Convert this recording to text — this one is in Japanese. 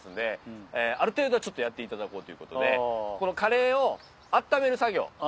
ええある程度はちょっとやっていただこうということでこのカレーをあっためる作業